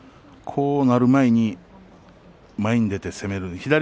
こうなる前に前に出て攻める。